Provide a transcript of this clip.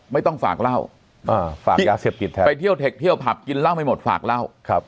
ไม่ต้องฝากเหล้าไปเที่ยวเทคเที่ยวผับกินเหล้าไม่หมดฝากเหล้า